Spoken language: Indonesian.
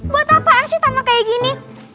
buat apaan sih tanah kayak gini